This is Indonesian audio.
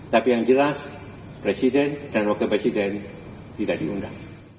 tapi yang jelas presiden dan wakil presiden tidak diundang